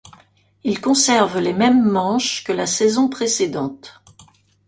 Il conserve les mêmes manches que la saison précédente.